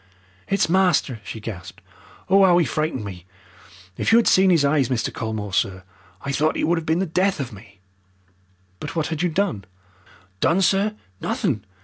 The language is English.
"It's master!" she gasped. "Oh, 'ow 'e frightened me! If you had seen 'is eyes, Mr. Colmore, sir. I thought 'e would 'ave been the death of me." "But what had you done?" "Done, sir! Nothing.